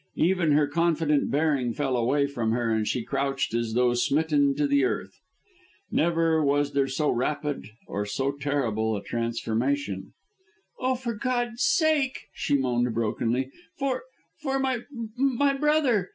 Even her confident bearing fell away from her and she crouched as though smitten to the earth. Never was there so rapid or so terrible a transformation. "Oh, for God's sake," she moaned brokenly, "for for my brother.